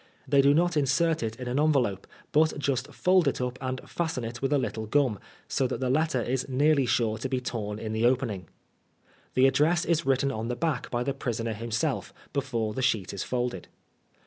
They do not insert it in an envelope, but just fold it up and fasten it with a little gum, so that the letter is nearly sure to be torn in the opening. The address is written on the back by the prisoner himself, before the sheet is folded.